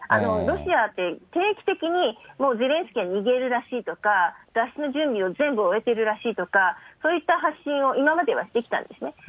ロシアって、定期的に、ゼレンスキーが逃げるらしいとか、脱出の準備を全部終えているらしいとか、そういった発信を今まではしてきたんですね。